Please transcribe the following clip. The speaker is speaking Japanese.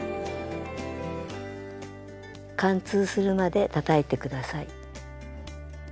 貫通するまでたたいて下さい。